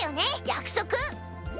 約束？